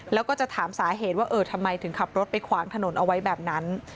แล้วก็จะถามสาเหตุว่าเออทำไมถึงขับรถไปขวางถนนเอาไว้แบบนั้น